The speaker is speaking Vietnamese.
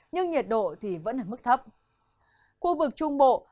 nhưng nhiệt độ thì vẫn tăng hơn trời cũng chuyển rất đậm rất hại